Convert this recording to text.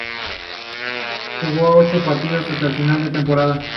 Juega ocho partidos hasta final de temporada.